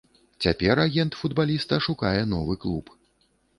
Цяпер агент футбаліста шукае новы клуб.